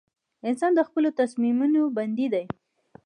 • انسان د خپلو تصمیمونو بندي دی.